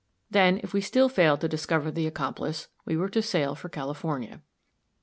Then, if we still failed to discover the accomplice, we were to sail for California.